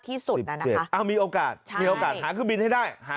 ที่สุดน่ะนะคะอ้าวมีโอกาสมีโอกาสหาขึ้นบินให้ได้หา